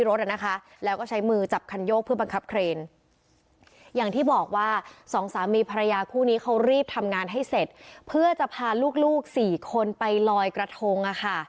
รีบทำงานให้เสร็จเพื่อจะพาลูก๔คนไปลอยกระทง